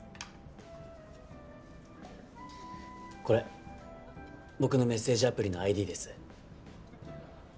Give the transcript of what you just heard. これ僕のメッセージアプリのＩＤです。